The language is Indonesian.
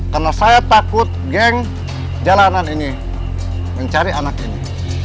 karena saya takut geng jalanan ini mencari anak ini